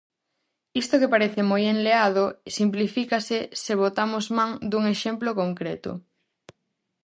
Isto que parece moi enleado, simplifícase se botamos man dun exemplo concreto.